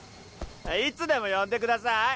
いつでも呼んでください！